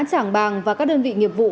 trảng bàng và các đơn vị nghiệp vụ